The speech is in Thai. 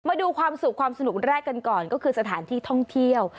มาดูความสุขความสนุกแรกกันก่อนก็คือสถานที่ท่องเที่ยว